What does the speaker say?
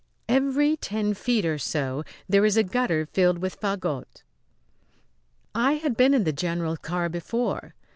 Every ten feet or so there is a gutter filled with fagots. I had been in the general's car before.